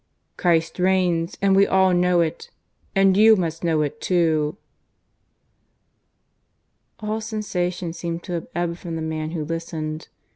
... Christ reigns, and we all know it. And you must know it too!" All sensation seemed to have ebbed from the man who listened.